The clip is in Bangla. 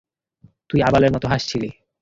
তুই আবালের মত হাসছিলি!